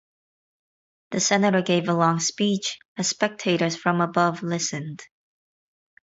The senator gave a long speech as spectators from above listened.